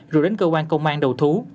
rủ đến cơ quan công an đầu thú